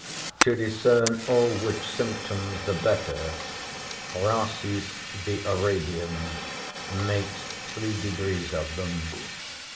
To discern all which symptoms the better, Rhasis the Arabian makes three degrees of them.